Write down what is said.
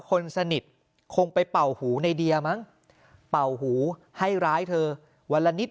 คนสนิทคงไปเป่าหูในเดียมั้งเป่าหูให้ร้ายเธอวันละนิด